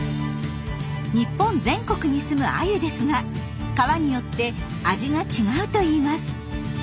日本全国に住むアユですが川によって味が違うといいます。